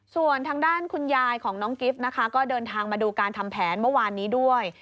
ส่วนทางด้านคุณยายของน้องกิฟต์นะคะก็เดินทางมาดูการทำแผนเมื่อวานนี้ด้วย